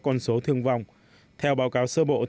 con số thương vong theo báo cáo sơ bộ